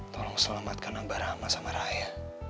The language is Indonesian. tolong selamatkan abah rahma sama raya